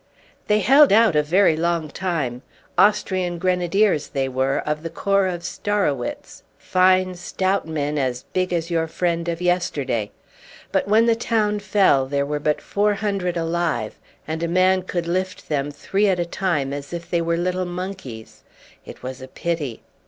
"They held out a very long time. Austrian Grenadiers they were, of the corps of Starowitz, fine stout men as big as your friend of yesterday; but when the town fell there were but four hundred alive, and a man could lift them three at a time as if they were little monkeys. It was a pity.